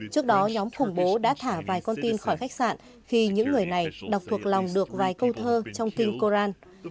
trước đó nhóm khủng bố đã thả vài con tin khỏi khách sạn khi những người này đọc thuộc lòng được vài câu thơ trong kinh koran